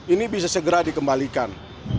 ini bisa segera dikembalikan